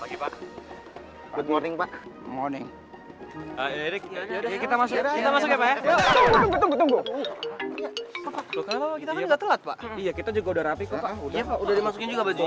pagi pak pagi pak morning morning kita masuk kita masuk ya pak iya kita juga udah rapi